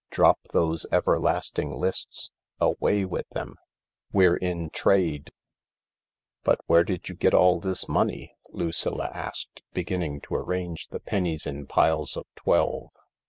Drop those everlasting lists. Away with them I We're in trade !"" But where did you get all this money ?" Lucilla asked, beginning to arrange the pennies in piles of twelve.